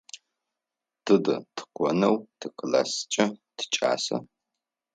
Тыдэ тыкӏонэу тикласскӏэ тикӏаса?